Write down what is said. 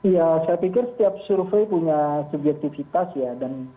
ya saya pikir setiap survei punya subjektivitas ya